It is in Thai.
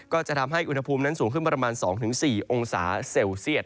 ก็จะทำให้อุณหภูมินั้นสูงขึ้นประมาณ๒๔องศาเซลเซียต